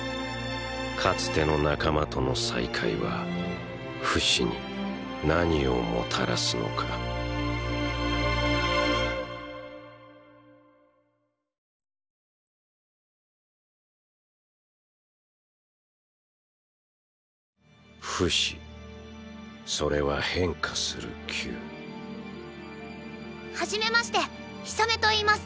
かつての仲間との再会はフシに何をもたらすのかフシそれは変化する球初めましてヒサメといいます。